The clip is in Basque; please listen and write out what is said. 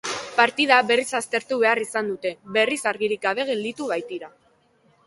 Partida berriz atzeratu behar izan dute, berriz argirik gabe gelditu baitira.